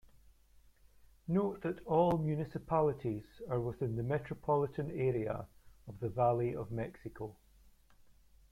Note that "all" municipalities are within the Metropolitan Area of the Valley of Mexico.